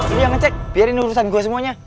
udah ngecek biarin urusan gue semuanya